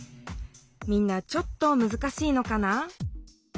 みんなちょっとむずかしいのかな？